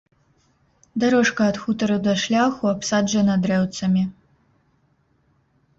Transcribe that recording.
Дарожка ад хутару да шляху абсаджана дрэўцамі.